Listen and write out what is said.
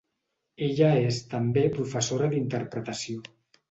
Ella és també professora d'interpretació.